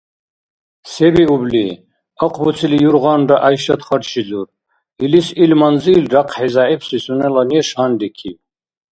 - Се биубли?! - ахъбуцили юргъанра, ГӀяйшат харчризур. Илис ил манзил рахъхӀи зягӀипси сунела неш гьанрикиб.